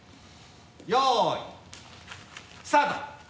よいスタート！